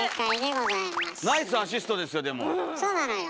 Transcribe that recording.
そうなのよ。